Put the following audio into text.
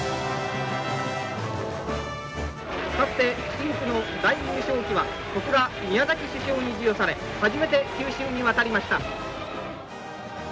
深紅の大優勝旗は小倉宮崎主将に授与され初めて九州に渡りました。